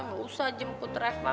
gak usah jemput reva